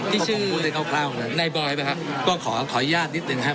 ที่ชื่อในเบาะไว้ไหมครับก็ขอขออนุญาตนิดหนึ่งครับ